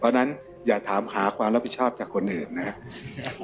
เพราะฉะนั้นอย่าถามหาความรับผิดชอบจากคนอื่นนะครับ